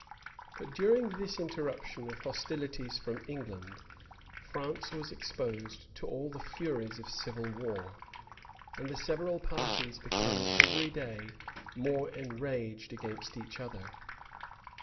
But during this interruption of hostilities from England, France was exposed to all the furies of civil war, and the several parties became every day more enraged against each other.